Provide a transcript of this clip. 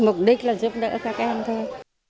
mục đích là giúp đỡ các em thôi